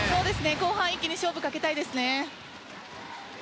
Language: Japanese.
後半一気に勝負をかけたいですね。